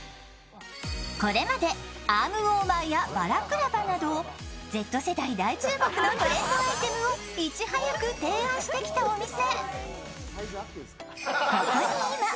これまで、アームウォーマーやバラクラバなどＺ世代大注目のトレンドアイテムをいち早く提案してきたお店。